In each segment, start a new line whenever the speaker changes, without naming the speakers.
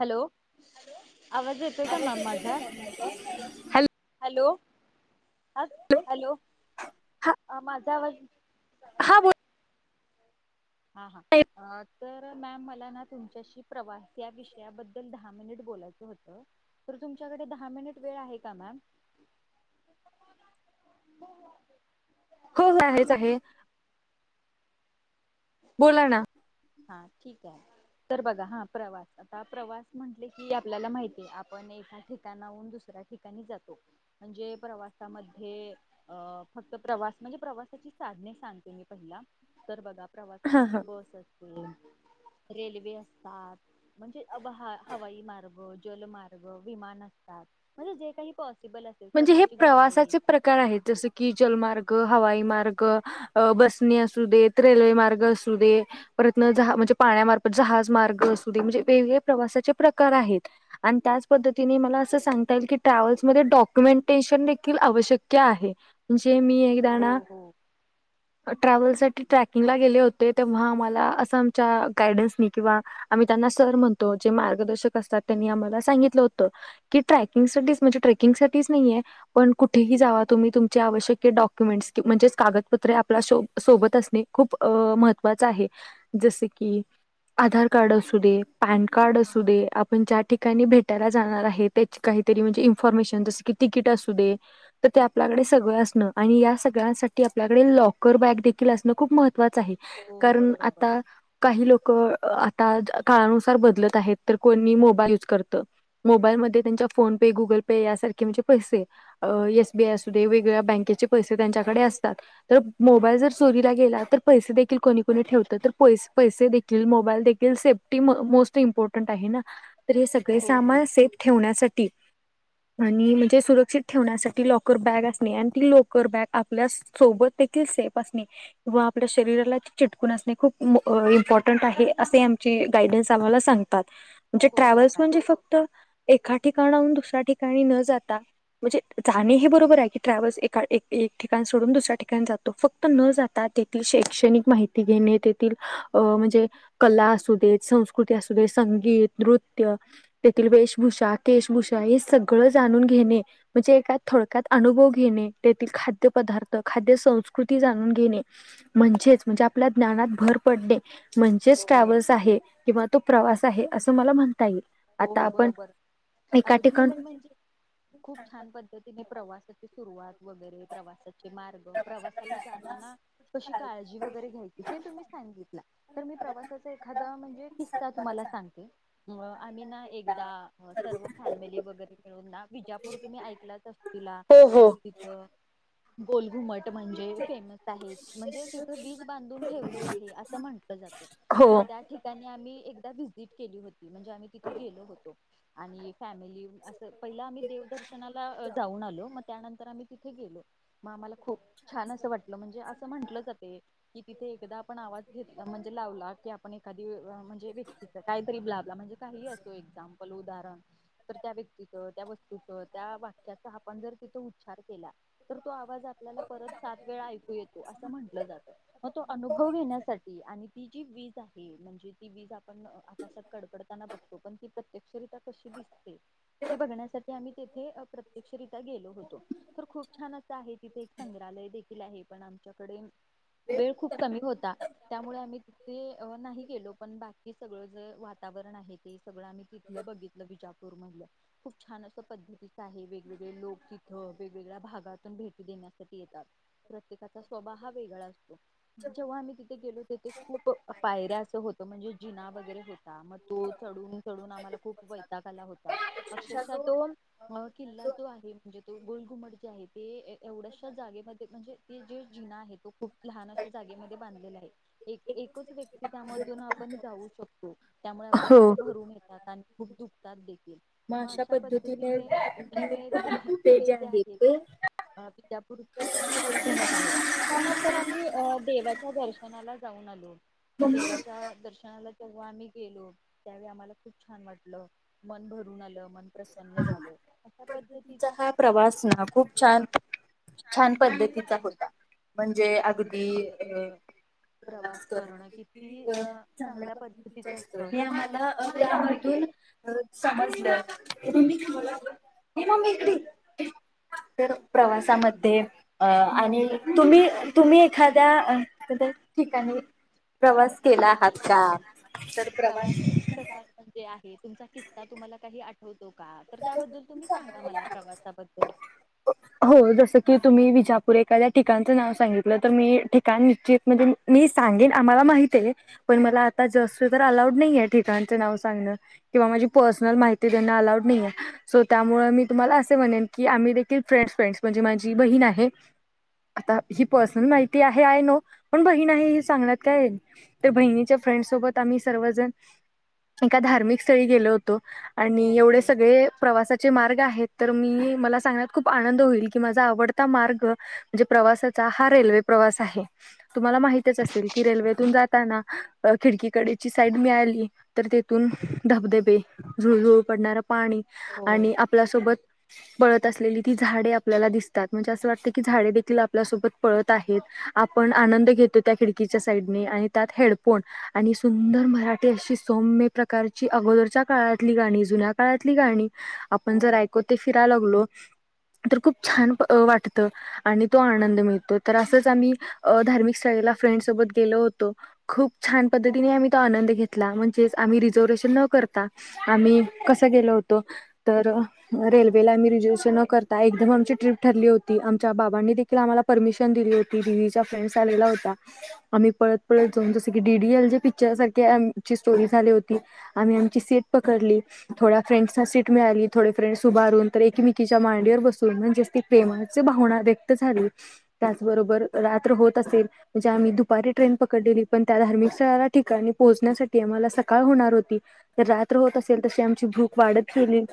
Hello hello आवाज येतो तोय का मॅम माझा? हॅलो! ह हॅलो माझा आवाज
हां बोल
हां हां तर मॅम मला ना तुमच्याशी प्रवास या विषयाबद्दल दहा मिनिट बोलायचं होतं. तर तुमच्याकडे दहा मिनिट वेळ आहे का मॅम? हो हो आहे.
[inaudible] बोला ना.
हां ठीक आहे. तर बघा हा प्रवास आता प्रवास म्हटले की आपल्याला माहिती आहे आपण एका ठिकाणाहून दुसऱ्या ठिका ठिकाणी जातो म्हणजे प्रवासामध्ये अ फक्त प्रवास म्हणजे प्रवासाची साधने सांगते मी पहिला तर बघा प्रवासासाठी बस असते, रेल्वे असतात म्हणजे अ हवाई मार्ग, जलमार्ग विमान असतात म्हणजे जे काही प पॉसिबल असेल स्वतःची गाडी
कार आहेत जसं की जलमार्ग, हवाई मार्ग अ बस णी असूदेत, रेल्वे मार्ग असू दे परतन हा म्हणजे पाण्यामार्फत जहाज मार्ग असू दे म्हणजे वेगवेगळे प्रवासाचे प्रकार आहेत. आणि त्याच पद्धतीने मला असं सांग ट्रॅव्हल्स मध्ये डॉक्युमेंटेशन देखील आवश्यक्या आहे जे मी जाणा ट्रॅव्हल साठी ट्रॅकिंगला गेले होते तेव्हा आम्हाला असं आमच्या गायडन्सनी किंवा आम्ही त्यांना सर म्हणतो जे मार्गदर्शक असतात त्यांनी आम्हाला सांगितलं होतं की ट्रॅकिंगसाठीच म्हणजे ट्रेकिंगसाठीच नाहीये पण कुठेही जावा तुम्ही तुमचे आवश्यक डॉक्युमेंट्स म्हणजेच कागदपत्र आपल्या सोबत असणे खूप महत्त्वाच आहे जसे की आधार कार्ड असू दे पॅन कार्ड असू दे आपण ज्या ठिकाणी भेटायला जाणार आहेत. त्याची काहीतरी म्हणजे इन्फॉर्मेशन जसं की तिकीट असू दे तर ते आपल्याकडे सगळं असणं आणि या सगळ्यांसाठी आपल्याकडे लॉकर बॅग देखील असणं खूप महत्त्वाचं आहे. करून आता काही लोक आता काळानुसार बदलत आहेत तर कोणी मोबाईल यूज करत मोबाईलमध्ये त्यांच्या फोन पे गुगल पे यासारखे म्हणजे पैसे. अ एसबीआय असुधे वेगवेगळ्या बँकेचे पैसे त्यांच्याकडे असतात. तर मोबाईल जर चोरीला गेला तर पैसे देखील कोणी कोणी ठेवता तर पैसे देखील मोबाईल देखील सेफ्टी मोस्ट इम्पॉर्टंट आहे ना तर हे सगळे सामान सेफ ठेवण्यासाठी. आणि म्हणजे सुरक्षित ठेवण्यासाठी लॉकर बॅग असणे आणि ती लॉकर बॅग आपल्या सोबत एक ती, सेफ असणे. व आपल्या शरीराला चिटकून असणे खूप इम्पॉर्टंट आहे असे आमची गायडन्स आम्हाला सांगता. जे ट्रॅव्हल्स म्हणजे फक्त एका ठिकाणाहून दुसऱ्या ठिकाणी न जाता. म्हणजे जाणे हे बरोबर आहे की ट्रॅव्हल्स एका एक ठिकाण सोडून दुसऱ्या ठिकाणी जात फक्त न जातात तेथील शैक्षणिक माहिती घेणे तेथील अ म्हणजे. कला असू देेत संस्कृती असू दे संगीत नृत्य तेथील वेश, भूषा केशभूषा हे सगळं जाणून घेणे. म्हणजे एका थोडक्यात अनुभव घेणे त्यातील खाद्यपदार्थ खाद्य संस्कृती जाणून घेणे. म्हणजेच म्हणजे आपल्या ज्ञानात भर पडते. म्हणजेच ट्रॅव्हल्स आहे किंवा तो प्रवास आहे असं मला म्हणता येईल.
हो हो बरोबर अगदी तुम्ही म्हण खूप छान पद्धतीने प्रवासाची सुरुवात वगैरे प्रवासाची. मार्ग प्रवासाला जाताना कशी काळजी वगैरे घ्यायची हे तुम्ही सांगितला तर मी प्रवासाचा एखादा म्हणजे किस्सा तुम्हाला सांगते म आम्ही ना एकदा सर्व फॅमिली वगैरे मिळून ना विजापूर तुम्ही ऐकलाच असशीला. अ तिथं गोलघुमट म्हणजे फेमस आहे म्हणजे तिथं वीज बांधून ठेवली आहे असं म्हटलं जातं. तर त्या ठिक त्यांनी आम्ही एकदा व्हिजिट केली होती म्हणजे आम्ही तिथे गेलो होतो आणि फॅमिली. असं पहिला आम्ही देवदर्शनाला जाऊन आलो मग त्यानंतर आम्ही तिथे गेलो. मग आम्हाला खूप छान असं वाटलं म्हणजे असं म्हंटलं जातंय. कि तिथे एकदा आपण आवाज घेतला म्हणजे लावला की आपण एखादी म्हणजे व्यक्तीच काहीतरी लावला म्हणजे. काही असो एक्झाम्पल उदाहरण. तर त्या व्यक्तीचं त्या वस्तूचं त्या वाक्याच आपण जर तिथं उच्चार केला. तो आवाज आपल्याला परत सात वेळा ऐकू येतो असं म्हंटलं जातं. मग तो अनुभव घेण्यासाठी आणि ती जी वीज आहे म्हणजे ती वीज आपण, अ. आकाशात कडकडताना बघतो पण ती प्रत्यक्षरीत्या कशी दिसते? हे बघण्यासाठी आम्ही तिथे प्रत्यक्षरित्या गेलो होतो तर खूप छान असं आहे तिथे एक संग्रहालय देखील आहे पण आमच्याकडे. वेळ खूप कमी होता त्यामुळे आम्ही तिथे नाही गेलो पण बाकी सगळं जर वातावरण ते सगळ तिथलं बघितलं विजापूर मधलं खूप छान असं पद्धतीचं आहे वे. वेगवेगळे लोक तिथं वेगवेगळ्या भागातून भेटी देण्यासाठी येतात. प्रत्येकाचा स्वभाव हा वेगळा असतो. जेव्हा आम्ही तिथे गेलो तिथे खूप पायऱ्या असं होतं म्हणजे जिना वगैरे होता मग तो चढून-चढून आम्हाला खूप वैताक आला होता अक्षरशः तो हा किल्ला जो आहे म्हणजे तो गोलघुमट जो आहे ते एवढ्याशा जागेमध्ये म्हणजे ते जे जिना आहे तो खूप लहान अशा जागेमध्ये बांधलेला आहे. एक एकच व्यक्ती त्यामधून आपण जाऊ शकतो त्यामुळ भरून येतात आणि खूप दुखतात देखील. मग अशा पद्धतीने तिने तो ते जे आहे ते. विजापूरच गोलघुमट आहे, मग त्यानंतर आम्ही देवाच्या दर्श नाला जाऊन आलो, मग देवाच्या दर्शनाला तेव्हा आम्ही गेलो. त्यावेळा आम्हांला खूप छान वाटलं मन भरून आलं मन प्रसन्न झालो. अशा पद्धतीचा हा प्रवास ना खूप छान पद्धतीचा होता, म्हणजे अगदी अं प्रवास करण किती अ चांगल्या पद्धतीच असतं हे आम्हा ला त्यामधुन [unintelligible] मम्मी इकडे ये. तर प्रवासामध्ये अ आणि तुम्ही, तुम्ही एखाद्या ठीकाणी.
प्रवास केला आहात का?
प्रवास कसा म्हणजे आहे तुमचा किस्सा तुम्हाला काही आठ होतो का तर त्याबद्दल तुम्ही सांगा मला प्रवासाबद्दल.
हो जसं की तुम्ही विजापूर एखाद्या ठिकाणचं नाव सांगितलं तर मी ठिकाण निश्चित म्हणजे मी सांगेन आम्हाला माहित आहे पण मला आता जस तर अलाऊड नाही आहे ठिकाणच नाव सांगण. किंवा माझी पर्सनल माहिती देन अलाउड नाहीेये. सो त्यामुळे मी तुम्हाला असे म्हणेन की आम्ही देखील फ्रेंड्स-फ्रेंड्स म्हणजे माझी बहीण आहे. आता ही पर्सनल माहिती आहे आय नो पण बहीण आहे हे सांगण्यात काय. ते बहिणीच्या फ्रेंडसोबत आम्ही सर्वजण. एका धार्मिक स्थळी गेलो होतो आणि एवढे सगळे प्रवासाचे मार्ग आहेत तर मी मला सांगण्यात खूप आनंद होईल की माझा आवडता मार्ग म्हणजे प्रवासाचा हा रेल्वे प्रवास आहे. तुम्हाला माहितच असेल की रेल्वेतून जाताना अ खिडकीकडेची साईड मिळाली तर तेथून धबधबे, झुळझुळू पडणारा पाणी आणि आपल्या सोबत पळत असलेली ती झाडे आपल्याला दिसतात म्हणजे अस वाटत की झाडे देखील आपल्यासोबत पडत आहेत. आपण आनंद घेतो त्या खिड कीच्या साइडनी आणि त्यात हेडफोन आणि सुंदर मराठी अशी सौम्य प्रकारची अगोदरच्या काळातली गाणी जुन्या. काळातली गाणी आपण जर ऐकतो फिराय लागलो तर खूप छान अ वाटतं. आणि तो आनंद मिळतो. तर असंच आम्ही अ धार्मिक स्थळेला फ्रेंड सोबत गेलो होतो. खूप छान पद्धतीने आम्ही तो आनंद घेतला म्हणजेच आम्ही रिझर्वेशन न करता आम्ही कसं गेल होतो. तर रेल्वेला आम्ही रिजर्शन न करता एकदम आमची ट्रीप ठरली होती आमच्या बाबांनी ति आमला परमिशन दिली होती दिदीच्या फ्रेंड्स आलेला होता.
[inaudible]
आम्ही पडत-पडत जाऊन जस की डीडीएलजे पिक्चर सा [unintelligible] ची स्टोरी झाली होती आम्ही आमची सिट पकडली. थोड्या फ्रेंड्सना सीट मिळाली. थोडे फ्रेंडस उभारून तर एकमेकीच्या मांडीवर वर बसून म्हणजे ती प्रेमाची भावना व्यक्त झाली. त्याचबरोबर रात्र होत असेल. म्हणजे आम्ही दुपारी ट्रेन पकडलेली. पण त्या धार्मिक स्थळला ठिकाणी पोहचण्यासाठी आम्हाला सकाळ होणार होती रात्र होत असेल. तशी आ मची भूक वाढत गली.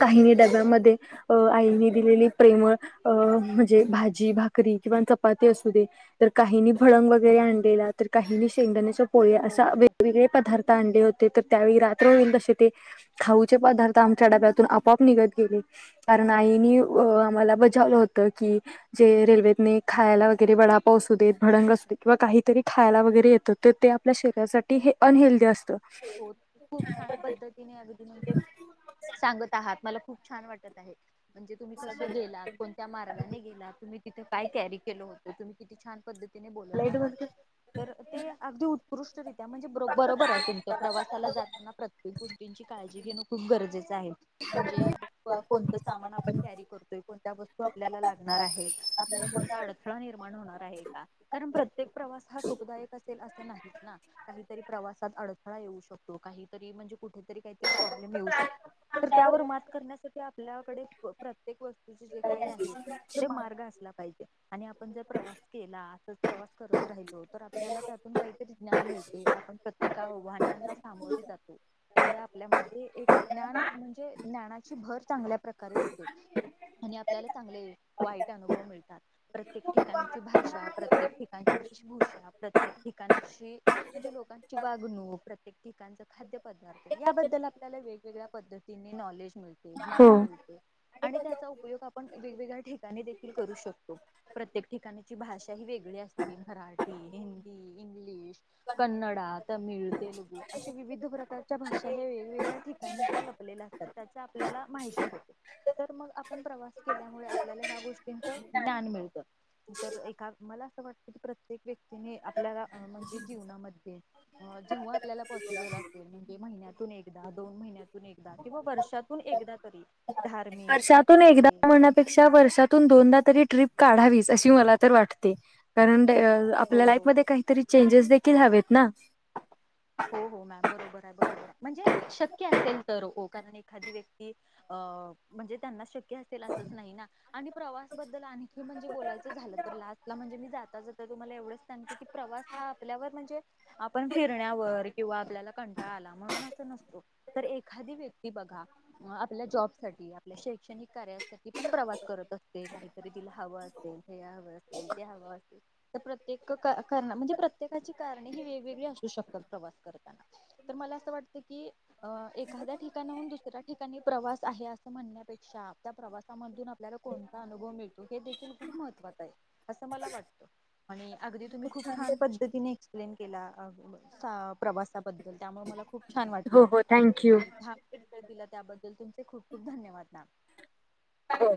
काही डब्यामध्ये अ आईने दिलेली प्रेमळ अ म्हणजे भाजी भाकरी किंवा चपाती असू दे तर काहीनी भडंग वगैरे आणलेला. तर काहीनी शेंगण्याच्या पोळी असा वेगवेगळे पदार्थ आणले होते. तर त्यावेळी रात्र होईन तसे ते खाऊचे पदार्थ आमच्या डब्यातून आपोआप निघत गेले. कारण आईने आम्हाला बजावलं होतं. की जे रेल्वेतने खायला वगैरे वडापाव असू दे, भडंग असू दे, किंवा काहीतरी खायला वगैरे येतात. तर ते आपल्या शरीरासाठी हे अनहेल्दी असतं.
हो खूप छान पद्धतीने अगदी म्हणजे सांगत आहात. मला खूप छान वाटत आहे. म्हणजे तुम्ही कसं गेलात. को त्या मार्गाने गेला. तुम्ही तिथे काय कॅरी केलं होतं. तुम्ही किती छान पद्धतीने बोलत आहात तर ते अगदी उत्कृष्टरित्या म्हणजे बरोबर आहे. तुमचं प्रत्येक गोष्टींची काळजी घेणं खूप गरजेचं आहे. म्हणजे कोणतं सामान आपण कॅरी करतोय. कोणत्या वस्तू आपल्याला लागणार आहेत. आपल्याला कोणता अड थळा निर्माण होणार आहे का, 'कारण प्रत्येक प्रवास हा सुखदायक असेल असं नाहीच ना'. काहीतरी प्रवासात अड थळा येऊ शकतो. काहीतरी म्हणजे कुठेतरी काहीतरी प्रॉब्लेम येऊ शकतो. तर त्यावर मात करण्यासा ठी ते आपल्याकडे प्रत्येक वस्तूचे जे काही आहे. ते मार्ग असला पाहिजे. आणि आपण जर प्रवास केला. असच प्रवास करत राहिलो. तर आपल्याला त्यातून काही ज्ञान मिळते. आपण प्रत्येका आव्हानांना सामोरे जातो. त्यामुळे आपल्यामध्ये एक ज्ञान म्हणजे ज्ञानाची भर चांगल्या प्रकारे होते. आणि आपल्याला चांगले वाईट अनुभव मिळतात. प्रत्येक ठिकाणची भाषा, प्रत्येक ठिकाणची वेशभूषा, प्रत्येक ठिकाणची म्हणजे लोकांची वागणूक प्रत्येक ठिकाणच खाद्यपदार्थ याबद्दल आपल्याला वेगवेगळ्या पद्धतीने नॉलेज मिळते, ज्ञान मिळते. आणि त्याचा उपयोग आपण वेगवेगळ्या ठिकाणी देखील करू शकतो. प्रत्येक ठिकाणीची भाषा ही वेगळी असते. मराठी, हिंदी इंग्लिश कन्नडा, तमिळ तेलगू अशा विविध प्रकारच्या भाषा हे वेगवेगळ्या ठिकाणी ज्या लपलेल्या असतात. त्या चा आपल्याला माहिती होते. तर मग आपण प्रवास केल्यामुळे आपल्याला ह्या गोष्टींच ज्ञान मिळतं. तर एका मला असं वाटतं. की प्रत्येक व्यक्ती तने आपल्याला म्हणजे जीवनामध्ये अ आपल्याला पॉसीबल असते म्हणजे. महिन्यातील एकदा दोन महिन्यातून एकदा किंवा वर्षातून एकदा तरी धार्मिक, ऐतिहासिक
पेक्षा वर्षातून दोनदा तरी ट्रिप काढावी. अशी मला तर वाटते कारण आपल्या लाईफ मध्ये काहीतरी चेंजेस देखील. हवेत ना!
हो हो मॅम बरोबर आहे बरोबर आहे. म्हणजे शक्य असेल तर हो कारण एखादी व्यक्ती अ म्हणजे त्यांना शक्य असेल. असंच नाही ना! आणि प्रवासबद्दल आणखी म्हणजे बोलायचं झालं. तर लास्टला म्हणजे मी जाता, जाता तुम्हाला एवढंच सांगते. कि प्रवास हा आपल्यावर म्हणजे आपण फिर किंवा आपल्याला कंटाळा आला म्हणून अस नसतो तर एखादी व्यक्ती बघा. आपल्या जॉब साठी आपल्या शैक्षणिक कार्यासाठी पण प्रवास करत असते काहीतरी तिला हवं अस. हे हवं असेल ते हव असते. तर प्रत्येक कारण म्हणजे प्रत्येकाची कारणे ही वेगवेगळी असू शकते. करताना तर मला असं वाटत की. अ एखाद्या ठिकाणाहून दुसऱ्या ठिकाणी प्रवास आहे अस. म्हणण्यापेक्षा त्या प्रवासामधून आपल्याला कोणता अनुभव मिळतो हे देखील खूप महत्त्वाचं आहे. असं मला वाटतं आणि अगदी तुम्ही खूप छान पद्धतीने एक्सप्लेन केला. प्रवासाबद्दल त्यामुळे मला खूप छान वाटलं आणि. दिला त्याबद्दल तुमचे खूप खूप धन्यवाद मॅम.
हो.